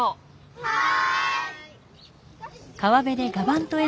はい。